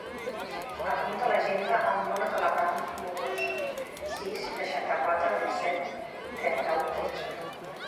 Apunta a l'agenda el número de l'Abraham Muguruza: sis, seixanta-quatre, disset, trenta-u, tretze.